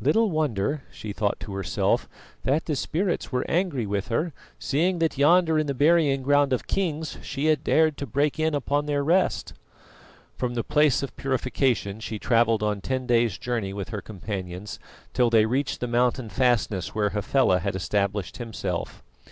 "Little wonder," she thought to herself, "that the spirits were angry with her, seeing that yonder in the burying ground of kings she had dared to break in upon their rest." From the Place of Purification she travelled on ten days' journey with her companions till they reached the mountain fastness where Hafela had established himself.